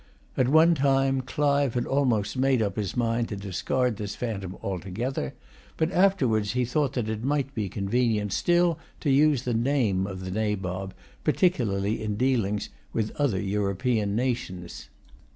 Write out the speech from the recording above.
At one time Clive had almost made up his mind to discard this phantom altogether; but he afterwards thought that it might be convenient still to use the name of the Nabob, particularly in dealings with other European nations.